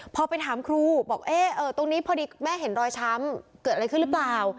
พอไปถามครูบอกตรงนี้พอดีแม่เห็นรอยช้ำเกิดอะไรขึ้นหรือเปล่า